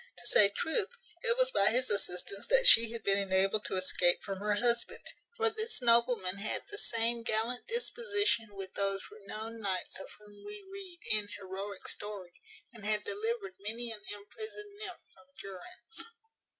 To say truth, it was by his assistance that she had been enabled to escape from her husband; for this nobleman had the same gallant disposition with those renowned knights of whom we read in heroic story, and had delivered many an imprisoned nymph from durance.